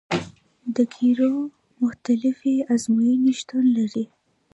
د قیرو مختلفې ازموینې شتون لري